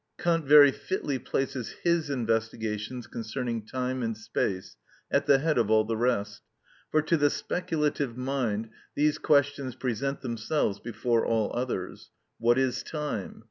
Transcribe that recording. Kant very fitly places his investigations concerning time and space at the head of all the rest. For to the speculative mind these questions present themselves before all others: what is time?